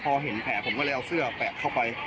พอเห็นแผลผมก็เลยเอาเสื้อแปะเข้าไป